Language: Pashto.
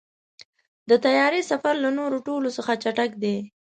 د طیارې سفر له نورو ټولو څخه چټک دی.